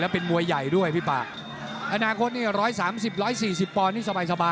เป็นมวยใหญ่ด้วยพี่ป่าอนาคตนี่๑๓๐๑๔๐ปอนด์นี่สบายสบาย